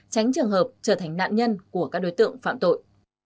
tránh trường hợp trở thành nạn nhân của các đối tượng phạm tội